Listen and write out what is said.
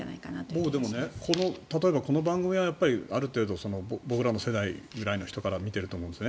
僕、例えばこの番組はある程度僕らの世代ぐらいの人から見ていると思うんですね。